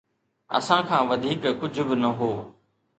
اسان کان وڌيڪ ڪجهه به نه هو